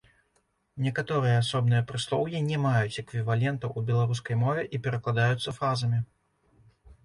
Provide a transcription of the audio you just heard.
Некаторыя асобныя прыслоўі не маюць эквівалентаў у беларускай мове і перакладаюцца фразамі.